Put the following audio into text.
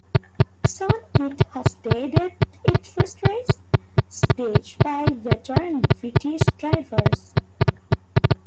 Soon, it hosted its first race, staged by veteran British drivers.